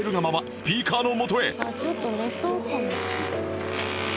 スピーカーのもとへ